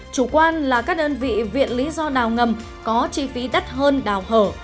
chủ quan là các đơn vị viện lý do nào ngầm có chi phí đắt hơn đào hở